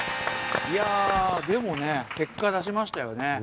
いやあでもね結果出しましたよね。